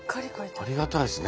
ありがたいですね。